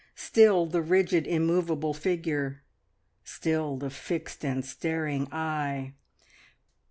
Still the rigid, immovable figure. Still the fixed and staring eye.